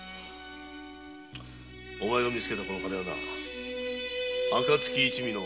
お前が見つけたこの金はな暁一味の隠し金だ。